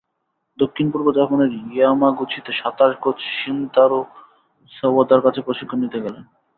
দক্ষিণ–পূর্ব জাপানের ইয়ামাগুচিতে সাঁতার coach Shintaro সাওয়াদার কাছে প্রশিক্ষণ নিতে গেলেন।